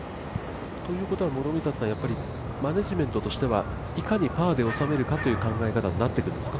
ということはマネジメントとしてはいかにパーで収めるかという考え方になってくるんですか？